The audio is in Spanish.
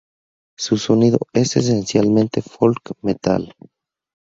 Su sonido es esencialmente folk metal.